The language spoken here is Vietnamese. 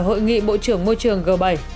hội nghị bộ trưởng môi trường g bảy